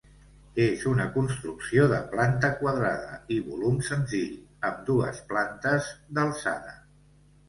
És una construcció de planta quadrada i volum senzill, amb dues plantes d’alçada.